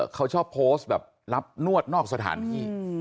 เขาชอบโพสต์แบบรับนวดนอกสถานที่